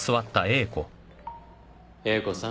英子さん。